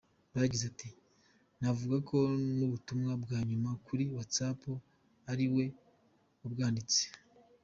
Yagize ati “Navuga ko n’ubutumwa bwa nyuma kuri WhatsApp ariwe wabwanditse.